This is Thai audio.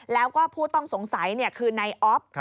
แล้วก็ผู้ต้องสงสัยคือนายอ๊อฟ